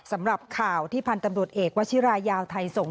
สำหรับข่าวที่พันธ์ตำรวจเอกวชิรายาวไทยส่ง